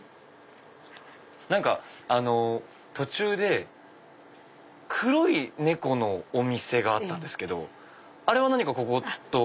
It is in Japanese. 何かあの途中で黒い猫のお店があったんですけどあれは何かここと。